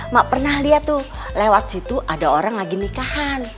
mak pernah lihat tuh lewat situ ada orang lagi nikahan